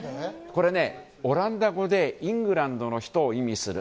オランダ語でイングランドの人を意味する